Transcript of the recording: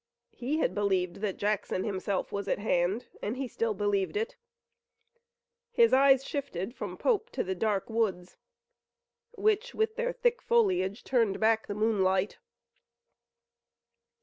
He had believed that Jackson himself was at hand, and he still believed it. His eyes shifted from Pope to the dark woods, which, with their thick foliage, turned back the moonlight.